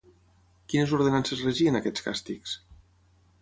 Quines ordenances regien aquests càstigs?